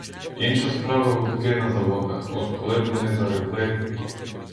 Інша справа гудки на заводах: от коли б вони заревли!